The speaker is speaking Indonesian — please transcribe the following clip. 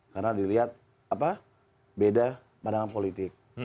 karena dilihat beda pandangan politik